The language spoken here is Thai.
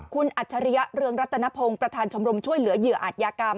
คุณอัจฉริยะเรืองรัตนพงศ์ประธานชมรมช่วยเหลือเหยื่ออาจยากรรม